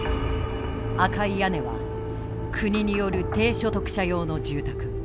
赤い屋根は国による低所得者用の住宅。